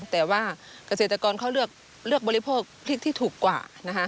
แต่ว่าเกษตรกรเขาเลือกบริโภคพริกที่ถูกกว่านะคะ